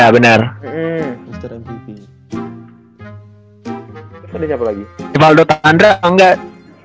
sambil nama lagi divaldo tandra atau enggak